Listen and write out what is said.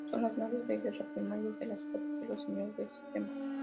Son las naves de guerra primarias de las flotas de los Señores del Sistema.